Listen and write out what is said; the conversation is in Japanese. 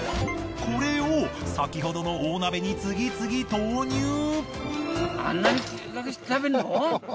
これを先ほどの大鍋に次々投入！